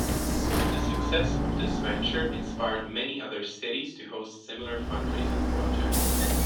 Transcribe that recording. The success of this venture inspired many other cities to host similar fundraising projects.